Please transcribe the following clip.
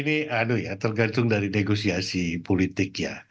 ini tergantung dari negosiasi politik ya